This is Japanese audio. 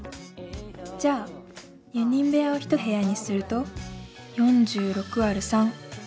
じゃあ４人部屋を１部屋にすると４６÷３。